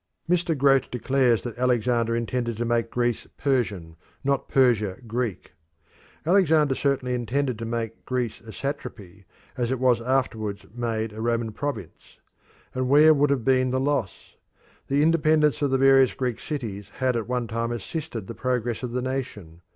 Mr. Grote declares that Alexander intended to make Greece Persian, not Persia Greek. Alexander certainly intended to make Greece a satrapy, as it was afterwards made a Roman province. And where would have been the loss? The independence of the various Greek cities had at one time assisted the progress of the nation.